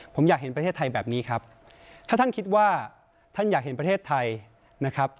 ผมอยากเห็นประเทศไทยแบบนี้ครับถ้าท่านคิดว่าท่านอยากเห็นประเทศไทยนะครับ